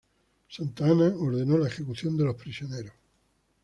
Santa Anna ordenó la ejecución de los prisioneros.